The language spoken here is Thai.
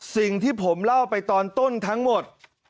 สิ่งที่ผมเล่าไปตอนต้นทั้งหมด